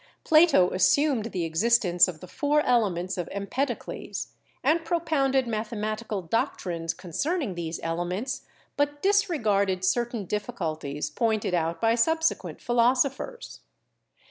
Plato assumed the existence of the four elements of Empedocles and propounded mathematical doctrines concerning these elements, but disregarded cer 12 CHEMISTRY tain difficulties pointed out by subsequent philosophers.